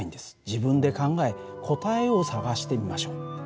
自分で考え答えを探してみましょう。